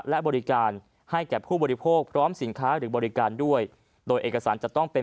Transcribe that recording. และบริการให้แก่ผู้บริโภคพร้อมสินค้าหรือบริการด้วยโดยเอกสารจะต้องเป็น